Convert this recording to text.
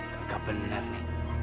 kagak bener ini